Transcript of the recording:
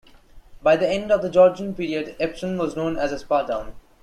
By the end of the Georgian period, Epsom was known as a spa town.